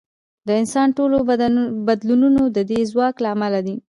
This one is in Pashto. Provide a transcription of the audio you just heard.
د انسان ټول بدلونونه د دې ځواک له امله دي.